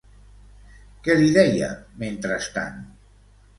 Què li deia, mentrestant?